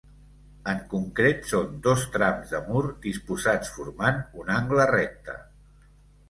En concret són dos trams de mur disposats formant un angle recte.